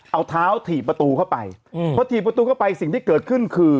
เอาเท้าถีบประตูเข้าไปอืมพอถีบประตูเข้าไปสิ่งที่เกิดขึ้นคือ